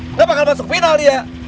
kita bakal masuk final dia